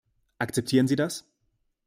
Akzeptieren Sie das?